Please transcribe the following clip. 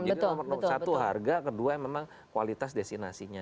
jadi nomor satu harga kedua memang kualitas destinasi nya